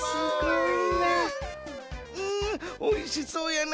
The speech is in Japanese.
うんおいしそうやね！